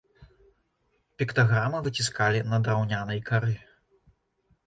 Піктаграмы выціскалі на драўнянай кары.